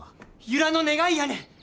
由良の願いやねん！